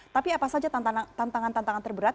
tapi apa saja tantangan tantangan terberat